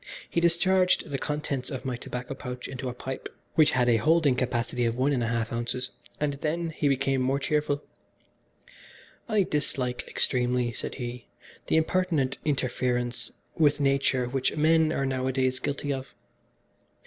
He discharged the contents of my tobacco pouch into a pipe which had a holding capacity of one and a half ounces, and then he became more cheerful "I dislike extremely," said he, "the impertinent interference with nature which men are nowadays guilty of.